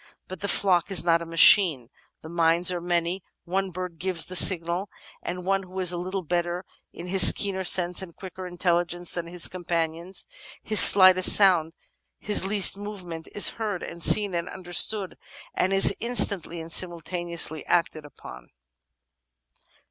But the flock is not a machine ; the minds are many ; one bird gives the signal — the one who is a little better in his keener senses and quicker intelligence than his com panions ; his slightest sound, his least movement is heard and seen and understood and is instantly and simultaneously acted upon."